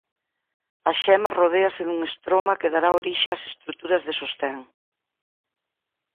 A xema rodéase dun estroma que dará orixe ás estruturas de sostén.